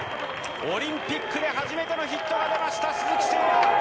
オリンピックで初めてのヒットが出ました鈴木誠也。